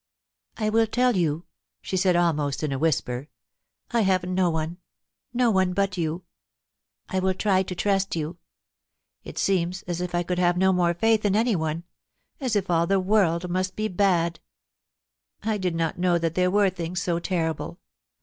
' I will tell you,' she said, almost in a whisper. ' I have no one — no one but you, ... I will try to trust you .... it seems as if I could have no more (aith in anyone — as if all the world must be bad. ... I did not know that there were things so terrible.